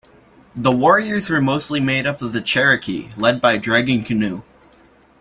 The warriors were mostly made up of the Cherokee, led by Dragging Canoe.